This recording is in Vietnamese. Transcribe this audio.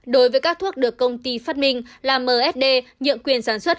đối với các thuốc được công ty phát minh là msd nhượng quyền sản xuất